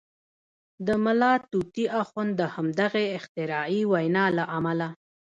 د ملا طوطي اخند د همدغې اختراعي وینا له امله.